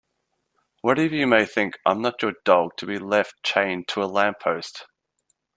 Whatever you may think I'm not your dog to be left chained to a lamppost.